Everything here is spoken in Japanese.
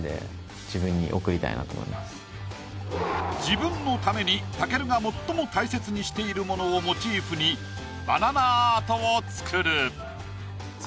自分のために武尊が最も大切にしているものをモチーフにバナナアートを作る。